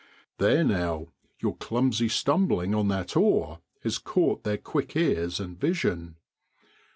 There now ! your clumsy stumbling on that oar has caught their quick ears and vision.